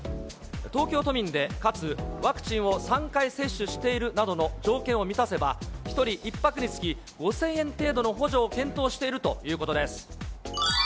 東京都民でかつワクチンを３回接種しているなどの条件を満たせば、１人１泊につき、５０００円程度の補助を検討しているということです。